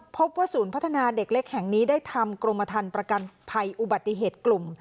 พบว่าศูนย์พัฒนาเด็กเล็กแห่งนี้ได้ทำกรมทันประกันภัยอุบัติเหตุกลุ่ม